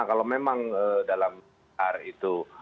kalau memang dalam ar itu